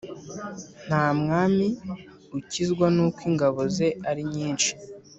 Nta mwami ukizwa n’uko ingabo ze ari nyinshi